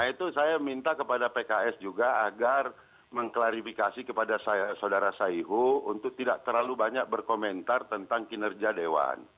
nah itu saya minta kepada pks juga agar mengklarifikasi kepada saudara saihu untuk tidak terlalu banyak berkomentar tentang kinerja dewan